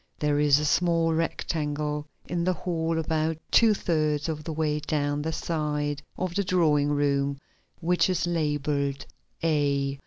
There is a small rectangle in the hall about two thirds of the way down the side of the drawing room which is labeled A.